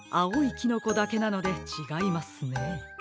キノコだけなのでちがいますね。